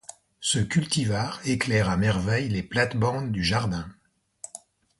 Ce cultivar éclaire à merveille les plates-bandes du jardin.